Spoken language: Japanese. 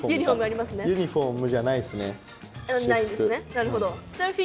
なるほど。